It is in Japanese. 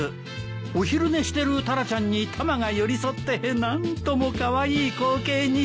お昼寝してるタラちゃんにタマが寄り添って何ともカワイイ光景に。